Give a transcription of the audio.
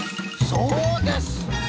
そうです！